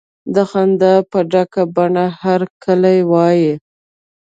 د خندا په ډکه بڼه هرکلی وایه.